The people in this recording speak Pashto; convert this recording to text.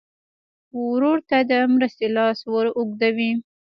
ورور ته د مرستې لاس ور اوږدوې.